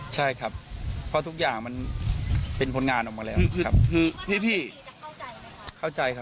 ใช่ครับเพราะทุกอย่างมันเป็นผลงานออกมาแล้ว